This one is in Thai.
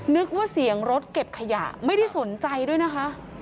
นึกว่าเสียงรถเก็บขยะไม่ได้สนใจด้วยนะคะ